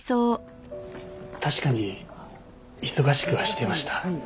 確かに忙しくはしてました。